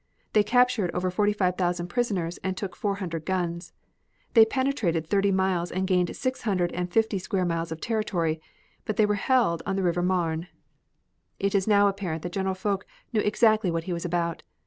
They captured over forty five thousand prisoners and took four hundred guns. They penetrated thirty miles and gained six hundred and fifty square miles of territory, but they were held on the River Marne. It is now apparent that General Foch knew exactly what he was about.